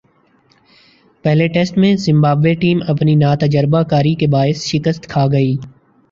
پہلے ٹیسٹ میں Zimbabwe team اپنی ناتجربہ کاری کے باعث شکست کھاگئی ۔